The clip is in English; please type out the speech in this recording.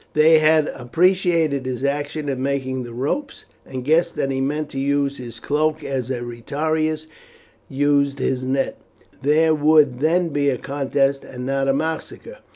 They had appreciated his action in making the ropes, and guessed that he meant to use his cloak as a retiarius used his net; there would then be a contest and not a massacre.